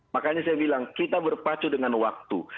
makanya saya bilang kita berpacu dengan waktu